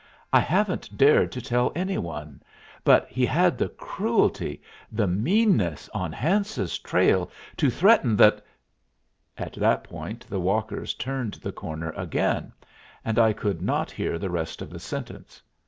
I haven't dared to tell any one, but he had the cruelty, the meanness, on Hance's trail to threaten that " At that point the walkers turned the corner again, and I could not hear the rest of the sentence.